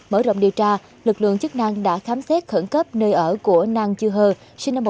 mở rộng điều tra lực lượng chức năng đã khám xét khẩn cấp nơi ở của nang chư hơ sinh năm một nghìn chín trăm tám mươi